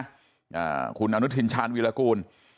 อ่าคุณอนุทินชาญวีรกูล